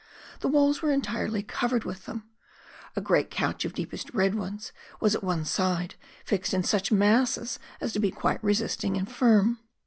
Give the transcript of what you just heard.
The walls were entirely covered with them. A great couch of deepest red ones was at one side, fixed in such masses as to be quite resisting and firm.